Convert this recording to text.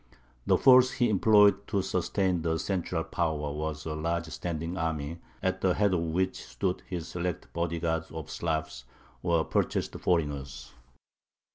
The force he employed to sustain the central power was a large standing army, at the head of which stood his select body guard of Slavs, or purchased foreigners.